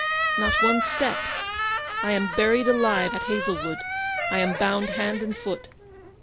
Not one step. I am buried alive at Hazlewood. I am bound hand and foot.